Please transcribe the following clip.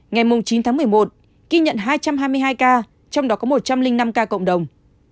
ngày chín tháng một mươi một ghi nhận hai trăm hai mươi hai ca trong đó có một trăm linh năm ca cộng đồng